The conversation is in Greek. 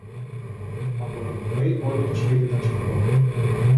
Από το πρωί όλο το σπίτι ήταν στο πόδι